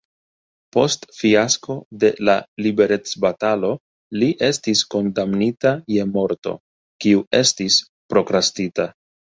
Post fiasko de la liberecbatalo li estis kondamnita je morto, kiu estis prokrastita.